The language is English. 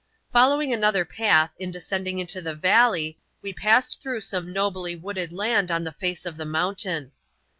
Following another path, in descending into the valley, we passed through some nobly wooded land on the face of the mountain.